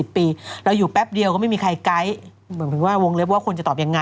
จริงจริงจริงจริงจริงจริงจริงจริง